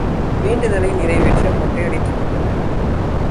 வேண்டுதலை நிறைவேற்ற மொட்டையடித்துக் கொண்டனர்.